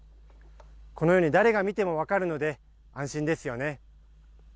このように誰が見ても分かるので、安心ですよね。